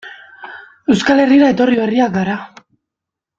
Euskal Herrira etorri berriak gara.